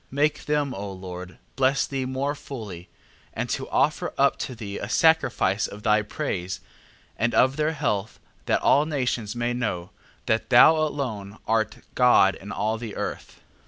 Make them, O Lord, bless thee more fully: and to offer up to thee a sacrifice of thy praise, and of their health, that all nations may know, that thou alone art God in all the earth.